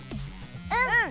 うん！